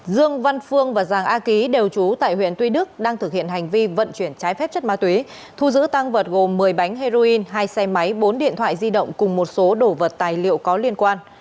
dương văn phương và giàng a ký đều trú tại huyện tuy đức đang thực hiện hành vi vận chuyển trái phép chất ma túy thu giữ tăng vật gồm một mươi bánh heroin hai xe máy bốn điện thoại di động cùng một số đồ vật tài liệu có liên quan